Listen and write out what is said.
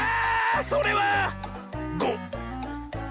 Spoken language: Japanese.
それはご！